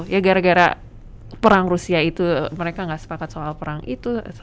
ya gara gara perang rusia itu mereka nggak sepakat soal perang itu